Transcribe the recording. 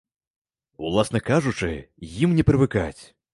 Уласна кажучы, ім не прывыкаць.